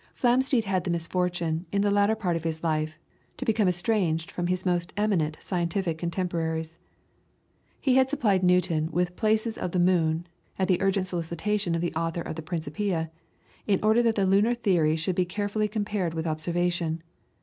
Flamsteed had the misfortune, in the latter part of his life, to become estranged from his most eminent scientific contemporaries. He had supplied Newton with places of the moon, at the urgent solicitation of the author of the "Principia," in order that the lunar theory should be carefully compared with observation.